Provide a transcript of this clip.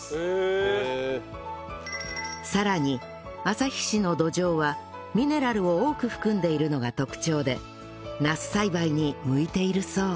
さらに旭市の土壌はミネラルを多く含んでいるのが特徴でナス栽培に向いているそう